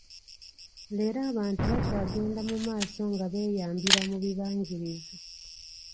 Leero abantu bakyagenda mu maaso nga beeyambira mu bibangirizi.